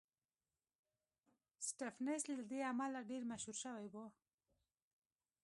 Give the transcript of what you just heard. سټېفنس له دې امله ډېر مشهور شوی و